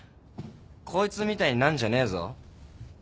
こいつみたいになんじゃねえぞ。